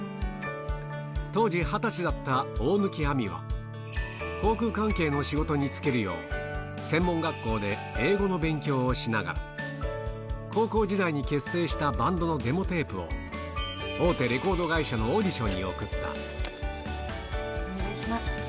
当時２０歳だった大貫亜美は、航空関係の仕事に就けるよう、専門学校で英語の勉強をしながら、高校時代に結成したバンドのデモテープを大手レコード会社のオーお願いします。